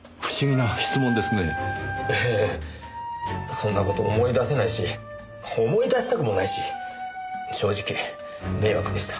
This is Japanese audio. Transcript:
そんな事思い出せないし思い出したくもないし正直迷惑でした。